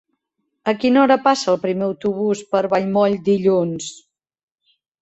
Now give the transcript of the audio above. A quina hora passa el primer autobús per Vallmoll dilluns?